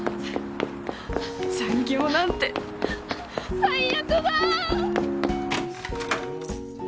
残業なんて最悪だ！